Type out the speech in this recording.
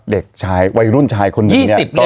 เด็กชายวัยรุ่นชายคนหนึ่งเนี่ย